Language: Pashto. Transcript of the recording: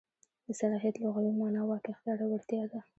د صلاحیت لغوي مانا واک، اختیار او وړتیا ده.